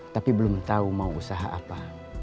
tapi belum tahu mau usaha apa